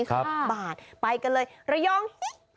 ครับบาทไปกันเลยระยอง